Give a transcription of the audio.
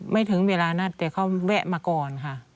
ถึงเวลานัดแต่เขาแวะมาก่อนค่ะ